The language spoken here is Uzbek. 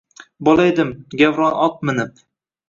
Bola edim, gavron ot minib